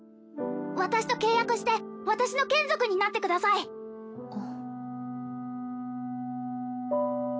私と契約して私の眷属になってくださいあ